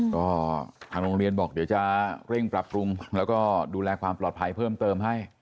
ก็ทางโรงเรียนบอกเดี๋ยวจะเร่งปรับปรุงแล้วก็ดูแลความปลอดภัยเพิ่มเติมให้